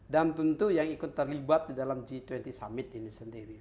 dan tentu yang ikut terlibat di dalam g dua puluh summit ini sendiri